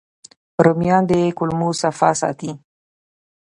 رومیان د کولمو صفا ساتي